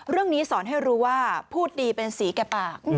เรื่องนี้สอนให้รู้ว่าพูดดีเป็นสีแก่ปาก